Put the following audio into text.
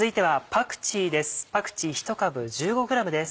パクチー１株１５ｇです。